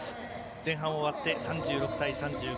前半終わって３６対３５。